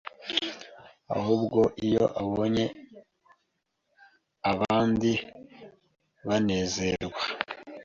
ahubwo iyo abonye abandi banezerwa